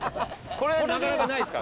これなかなかないっすか？